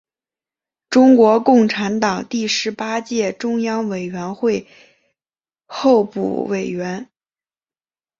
中国共产党第十八届中央委员会候补委员。